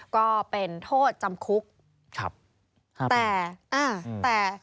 ก็เป็นโทษจำคุกครับแต่อ่าแต่